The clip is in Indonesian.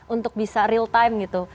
untuk bisa real time gitu